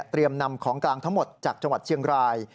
นำของกลางทั้งหมดจากจังหวัดเชียงราย